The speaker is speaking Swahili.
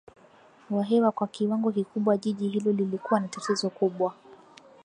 wa hewa kwa kiwango kikubwa Jiji hilo lilikuwa na tatizo kubwa